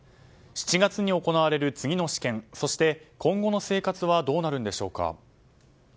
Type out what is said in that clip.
７月に行われる次の試験そして今後の生活はどうなるんでしょうか。